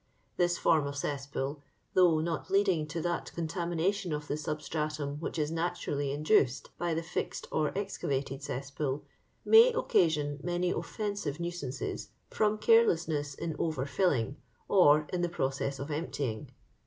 This form of cesspool, though not leadinfj tj that contamination of the substratum which is naturally induced by the fixed or excavated cesspool, may occasion many oflensive nui sances from carelessness in overfilling, or in the process of emptj ing."